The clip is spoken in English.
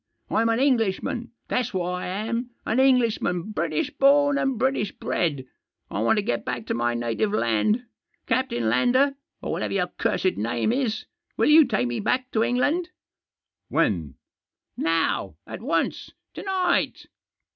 Fm an Englishman, that's what I am — an Englishman, British born and British bred. I want to get back to my native land. Captain Lander, or whatever your cursed name is, will you take me back to England ?" "When?" " Now — at once — to night